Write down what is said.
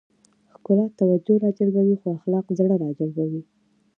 ښکلا توجه راجلبوي خو اخلاق زړه راجلبوي.